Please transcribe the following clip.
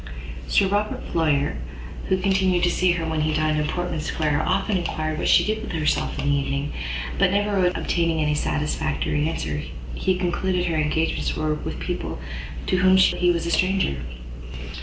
Sir Robert Floyer, who continued to see her when he dined in Portman Square, often enquired what she did with herself in an evening; but never obtaining any satisfactory answer, he concluded her engagements were with people to whom he was a stranger.